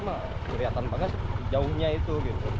kelihatan banget jauhnya itu